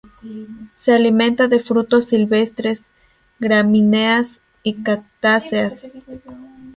Se alimenta de frutos silvestres, gramíneas, y cactáceas.